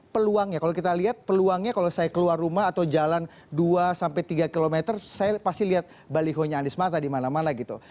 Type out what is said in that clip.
peluangnya kalau kita lihat peluangnya kalau saya keluar rumah atau jalan dua sampai tiga kilometer saya pasti lihat balihonya anies mata di mana mana gitu